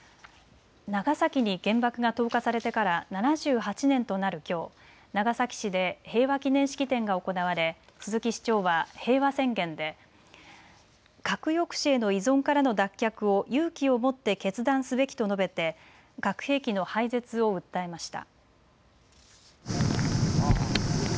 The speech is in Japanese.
長崎に原爆が投下されてから７８年となるきょう、長崎市で平和祈念式典が行われ鈴木市長は平和宣言で核抑止への依存からの脱却を勇気を持って決断すべきと述べて核兵器の廃絶を訴えました。